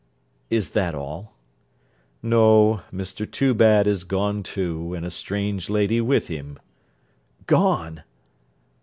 'Is that all?' 'No. Mr Toobad is gone too, and a strange lady with him.' 'Gone!'